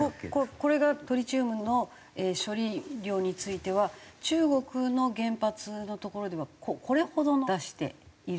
これがトリチウムの処理量については中国の原発の所ではこれほど出している。